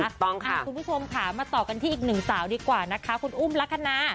ต้องค่ะคุณผู้ชมค่ะมาต่อกันที่อีกหนึ่งสาวดีกว่านะคะคุณอุ้มลักษณะ